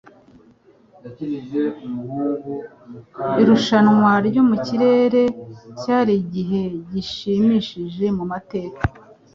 Irushanwa ryo mu kirere ryari igihe gishimishije mu mateka.